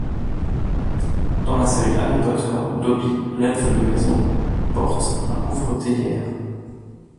Dans la série Harry Potter, Dobby, l’elfe de maison, porte un couvre-théière.